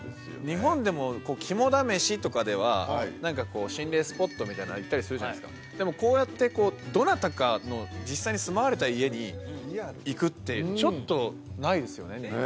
日本でも肝試しとかでは何かこう心霊スポットみたいな行ったりするじゃないですかでもこうやってどなたかの実際に住まわれた家に行くってちょっとないですよね